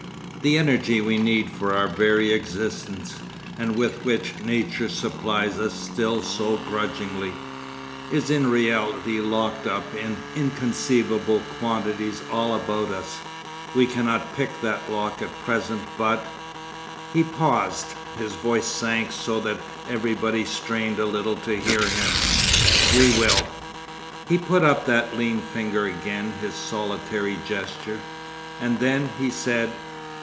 The energy we need for our very existence, and with which Nature supplies us still so grudgingly, is in reality locked up in inconceivable quantities all about us. We cannot pick that lock at present, but——' He paused. His voice sank so that everybody strained a little to hear him. '——we will.' He put up that lean finger again, his solitary gesture. 'And then,' he said....